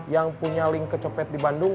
yang punya link kecopet di bandung